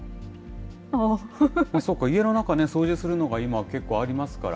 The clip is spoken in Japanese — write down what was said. そうか、家の中、掃除するのが今、結構ありますから。